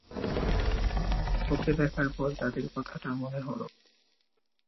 ওকে দেখার পর দাদীর কথাটা মনে হলো।